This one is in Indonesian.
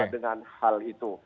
dengan hal itu